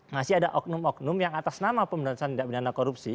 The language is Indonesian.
masih ada oknum oknum yang atas nama pemberantasan tindak pidana korupsi